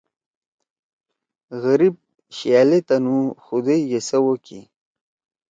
غریب شأل ئے تنُو خدئی ئے سوو کی۔